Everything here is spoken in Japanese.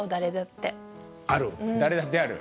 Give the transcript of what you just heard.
誰だってある？